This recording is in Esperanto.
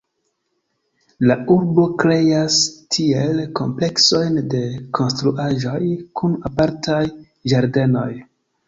La urbo kreas tiel kompleksojn de konstruaĵoj kun apartaj ĝardenoj.